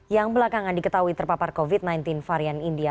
yang belakangan diketahui terpapar covid sembilan belas varian india